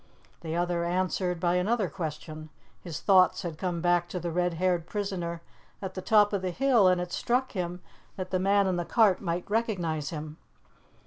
The other answered by another question; his thoughts had come back to the red haired prisoner at the top of the hill, and it struck him that the man in the cart might recognize him.